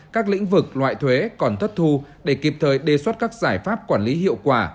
các lĩnh vực loại thuế còn thất thu để kịp thời đề xuất các giải pháp quản lý hiệu quả